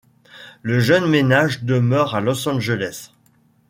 Le jeune ménage demeure à Los Angeles.